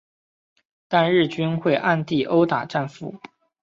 但日军会暗地殴打战俘。